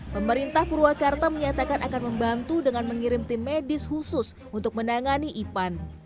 pemerintah purwakarta menyatakan akan membantu dengan mengirim tim medis khusus untuk menangani ipan